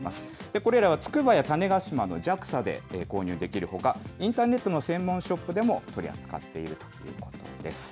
これらは筑波や種子島のＪＡＸＡで購入できるほか、インターネットの専門ショップでも取り扱っているということです。